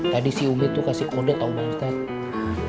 tadi si umi tuh kasih kode tau bang ustadz